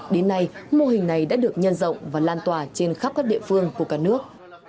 đến nay mô hình này đã được nhân rộng và lan tỏa trên khắp các địa phương của cả nước